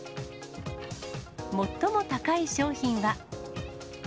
最も高い商品は。